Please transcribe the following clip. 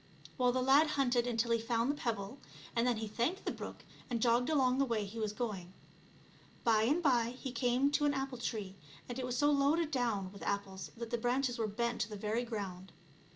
Well, the lad hunted until he found the pebble, and then he thanked the brook and jogged along the way he was going. By and by he came to an apple tree, and it was so loaded down witt apples that the branches were bent to the very ground.